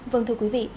vâng thưa quý vị